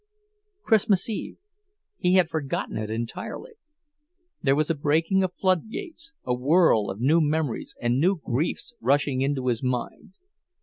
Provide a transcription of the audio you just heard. Christmas Eve—he had forgotten it entirely! There was a breaking of floodgates, a whirl of new memories and new griefs rushing into his mind.